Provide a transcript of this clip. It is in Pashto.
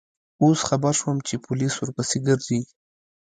اوس خبر شوم چې پولیس ورپسې گرځي.